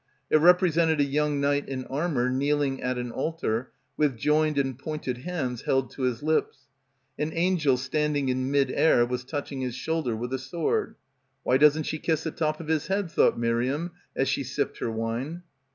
It represented a young knight in armour kneeling at an altar with joined and pointed hands held to his lips. An angel standing in mid air was touching his shoul der with a sword. "Why doesn't she kiss the top of his head," thought Miriam as she sipped her wine.